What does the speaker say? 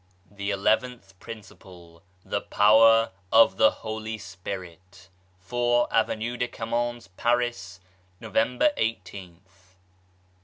THE ELEVENTH PRINCIPLE, THE POWER OF THE IIOL\ SPIRIT. 4, Avenue de Camocns, Paris, November i$th.